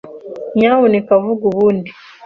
Nyamuneka vuga ubundi.